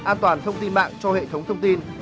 an toàn thông tin mạng cho hệ thống thông tin